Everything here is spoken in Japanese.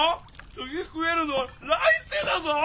次食えるのは来世だぞ！